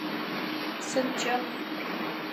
Сыд джэгу?